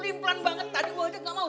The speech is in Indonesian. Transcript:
limplan banget tadi gue aja gak mau